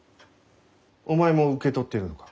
お前も受け取っているのか？